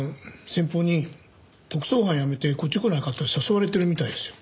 先方に特捜班辞めてこっち来ないかって誘われてるみたいですよ。